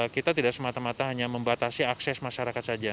kita tidak semata mata hanya membatasi akses masyarakat saja